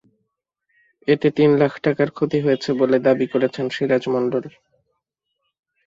এতে তিন লাখ টাকার ক্ষতি হয়েছে বলে দাবি করেছেন সিরাজ মণ্ডল।